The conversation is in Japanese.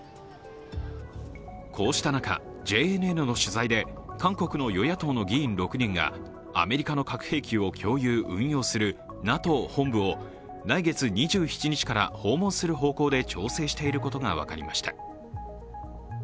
こうした中、ＪＮＮの取材で韓国の与野党の議員６人がアメリカの核兵器を共有・運用するＮＡＴＯ本部を来月２７日から訪問する方向で調整していることが分かりました。